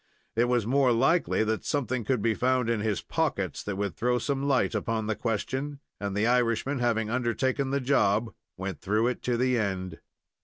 It was more likely that something would be found in his pockets that would throw some light upon the question; and the Irishman, having undertaken the job, went through it to the end.